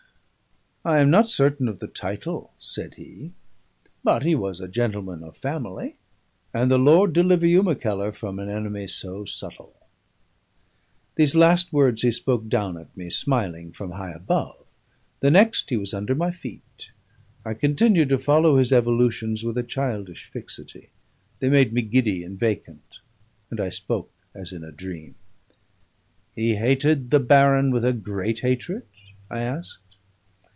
"I am not certain of the title," said he, "but he was a gentleman of family: and the Lord deliver you, Mackellar, from an enemy so subtile!" These last words he spoke down at me, smiling from high above; the next, he was under my feet. I continued to follow his evolutions with a childish fixity: they made me giddy and vacant, and I spoke as in a dream. "He hated the baron with a great hatred?" I asked.